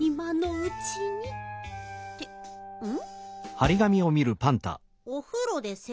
うん。